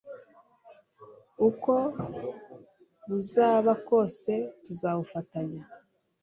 uko buzaba kose tuzabufatanya